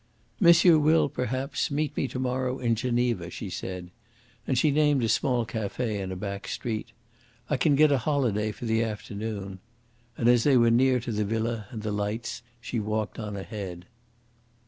"Monsieur will, perhaps, meet me to morrow in Geneva," she said. And she named a small cafe in a back street. "I can get a holiday for the afternoon." And as they were near to the villa and the lights, she walked on ahead.